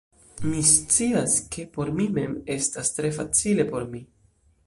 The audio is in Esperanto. Mi scias, ke por mi mem estas tre facile por mi